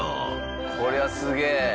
こりゃすげぇ。